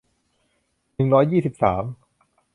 หนึ่งร้อยยี่สิบสาม